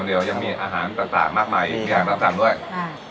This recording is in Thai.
เดี๋ยวยังมีอาหารต่างต่างมากมายอีกอย่างน่าสั่งด้วยอ่า